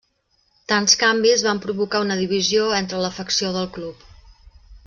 Tants canvis van provocar una divisió entre l'afecció del club.